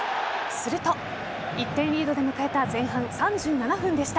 すると、１点リードで迎えた前半３７分でした。